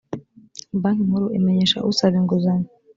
banki nkuru imenyesha usaba inguzanyo